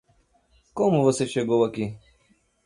Como você chegou aqui?